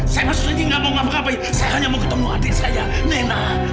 saya masuk ke sini saya tidak mau ngapa apa saya hanya mau ketemu adik saya nena